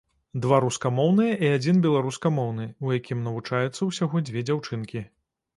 Два рускамоўныя і адзін беларускамоўны, у якім навучаюцца ўсяго дзве дзяўчынкі.